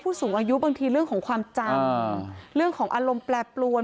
สูงอายุบางทีเรื่องของความจำเรื่องของอารมณ์แปรปรวน